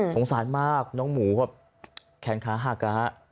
สงสารมากน้องหมูก็แขนขาหักนะฮะ